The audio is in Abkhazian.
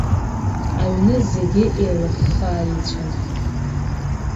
Аҩны зегьы еилаххаа ицәан.